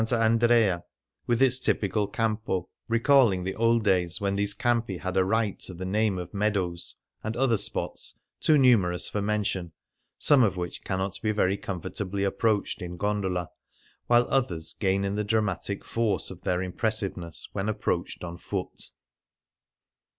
Andrea, with its typical campo^ recalling the old days when these campi had a right to the name of " meadows,^' and other spots, too numerous for mention, some of which cannot be very comfort ably approached in gondola, while others gain in the dramatic force of their impressiveness when approached on foot.